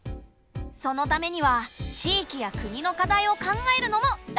そのためには地域や国の課題を考えるのも大事だよ。